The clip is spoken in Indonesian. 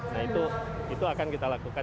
nah itu akan kita lakukan